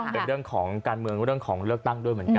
เป็นเรื่องของการเมืองเรื่องของเลือกตั้งด้วยเหมือนกัน